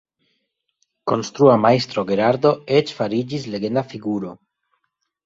Konstrua Majstro Gerardo eĉ fariĝis legenda figuro.